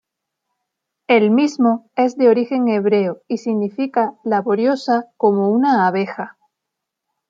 El mismo es de origen hebreo y significa "laboriosa como una abeja".